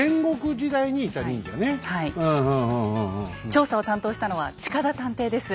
調査を担当したのは近田探偵です。